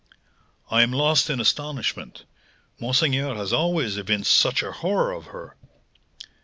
"I am lost in astonishment! Monseigneur has always evinced such a horror of her!"